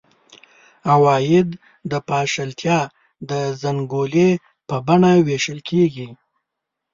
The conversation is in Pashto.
عواید د پاشلتیا د زنګولې په بڼه وېشل کېږي.